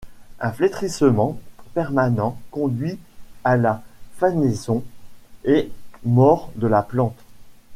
Un flétrissement permanent conduit à la fanaison et mort de la plante.